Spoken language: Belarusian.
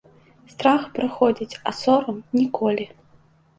Страх праходзіць, а сорам ніколі.